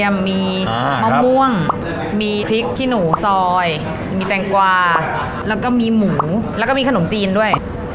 มีมะม่วงมีพริกขี้หนูซอยมีแตงกวาแล้วก็มีหมูแล้วก็มีขนมจีนด้วย